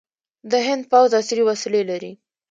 د هند پوځ عصري وسلې لري.